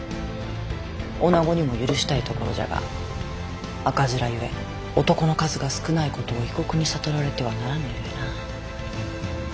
女にも許したいところじゃが赤面ゆえ男の数が少ないことを異国に悟られてはならぬゆえな。